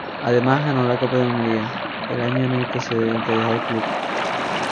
Además ganó la Copa de Hungría el año en el que dejó el club.